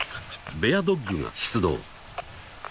［ベアドッグが出動］